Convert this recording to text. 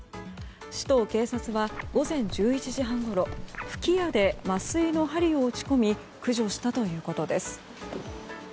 市と警察は午前１１時半ごろ吹き矢で麻酔の針を打ち込み駆除したということです。